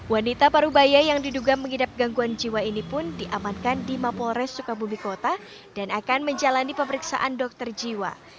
wanita parubaya yang diduga mengidap gangguan jiwa ini pun diamankan di mapolres sukabumi kota dan akan menjalani pemeriksaan dokter jiwa